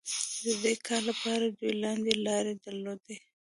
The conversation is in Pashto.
د دې کار لپاره دوی لاندې لارې درلودې.